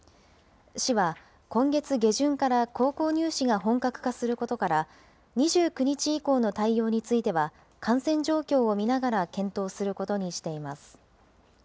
市は今月下旬から高校入試が本格化することから、２９日以降の対応については感染状況を見ながら検討することにしています。